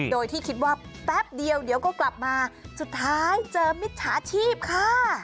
โดยที่คิดว่าแป๊บเดียวเดี๋ยวก็กลับมาสุดท้ายเจอมิจฉาชีพค่ะ